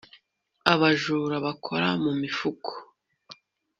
abajura bakora mu mifuko